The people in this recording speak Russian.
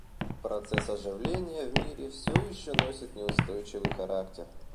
Процесс оживления в мире все еще носит неустойчивый характер.